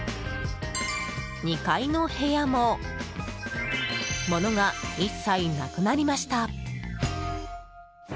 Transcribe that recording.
２階の部屋も物が一切なくなりました。